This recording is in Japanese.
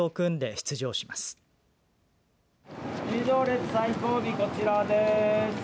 入場列、最後尾こちらです。